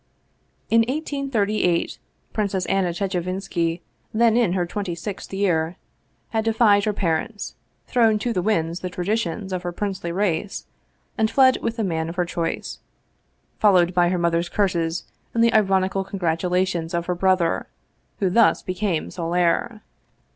In 1838 Princess Anna Chechevinski, then in her twenty sixth year, had defied her parents, thrown to the winds the traditions of her princely race, and fled with the man of her choice, followed by her mother's curses and the ironical congratulations of her brother, who thus became sole heir.